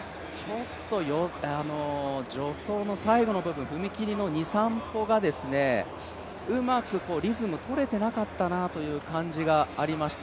ちょっと助走の最後の部分踏み切りの２３歩がうまくリズムがとれてなかったなという感じがありました。